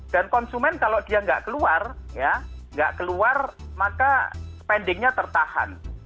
dan konsumen kalau dia nggak keluar ya nggak keluar maka spendingnya tertahan